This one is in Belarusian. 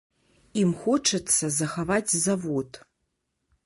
Ім хочацца захаваць завод.